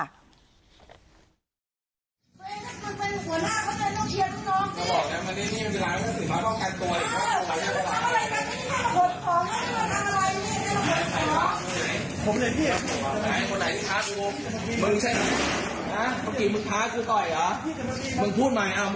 คนไหนภาระพูดได้แล้ว